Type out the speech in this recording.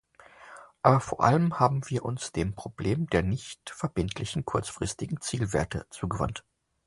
Aber vor allem haben wir uns dem Problem der nicht verbindlichen kurzfristigen Zielwerte zugewandt.